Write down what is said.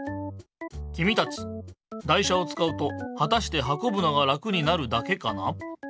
きみたち台車をつかうとはたしてはこぶのが楽になるだけかな？